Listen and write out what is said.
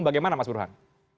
bagaimana mas burhan